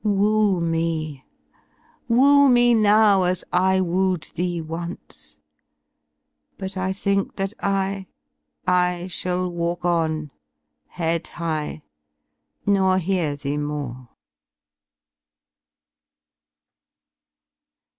Woo me! Woo me now As I wooed thee once; hut I think that I, I shall walk on, head high, nor hear thee more.